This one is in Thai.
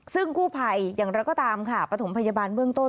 ซึ่งกู้ภัยอย่างไรก็ตามค่ะประถมพยาบาลเบื้องต้น